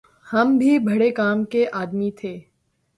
ہم بھی بھڑے کام کے آدمی تھے